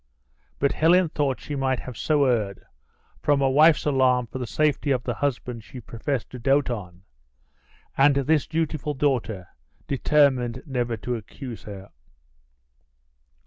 But Helen thought she might have so erred, from a wife's alarm for the safety of the husband she professed to doat on; and this dutiful daughter determined never to accuse her.